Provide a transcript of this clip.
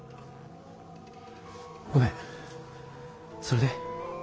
ごめんそれで？